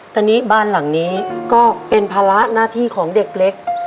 ท่านนี้บ้านหลังนี้ก็เป็นภาระนาธิของเด็กเล็ก